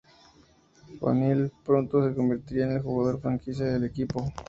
O'Neal pronto se convertiría en el jugador franquicia del equipo.